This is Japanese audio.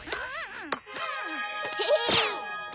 ヘヘッ！